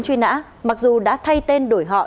truy nã mặc dù đã thay tên đổi họ